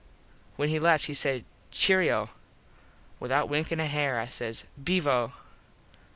When he left he said "Cheero." Without winkin a hair I says "Beevo."